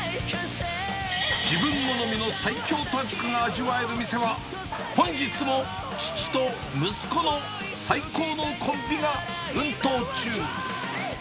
自分好みの最強タッグが味わえる店は、本日も父と息子の最高のコンビが奮闘中。